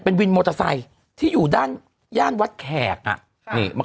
วินมอเตอร์ไซค์ที่อยู่ด้านย่านวัดแขกอ่ะนี่